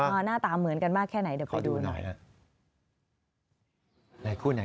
อ่าฮะหน้าตาเหมือนกันมากแค่ไหนเดี๋ยวไปดูหน่อย